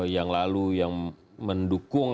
yang lalu yang mendukung